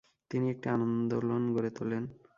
তিনি একটি আন্দোলন গড়ে তোলেন।